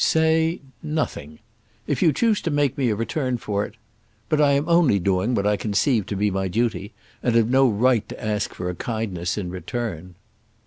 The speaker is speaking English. "Say nothing. If you choose to make me a return for it ; but I am only doing what I conceive to be my duty, and have no right to ask for a kindness in return."